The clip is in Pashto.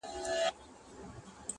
امیر ږغ کړه ویل ستا دي هم په یاد وي.!